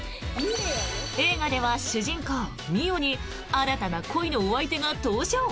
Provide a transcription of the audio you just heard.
映画では主人公・澪に新たな恋のお相手が登場！